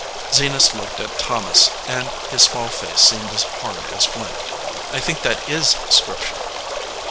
Zenas looked at Thomas and his small face seemed as hard as flint. "I think that is Scripture."